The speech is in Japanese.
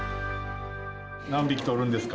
何匹捕るんですか？